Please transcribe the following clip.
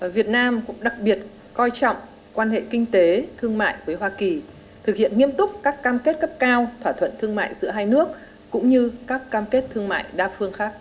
việt nam cũng đặc biệt coi trọng quan hệ kinh tế thương mại với hoa kỳ thực hiện nghiêm túc các cam kết cấp cao thỏa thuận thương mại giữa hai nước cũng như các cam kết thương mại đa phương khác